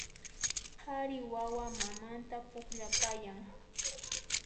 Qhari wawa mamanta pukllapayan